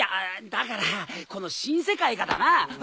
だからこの新世界がだな。あっ？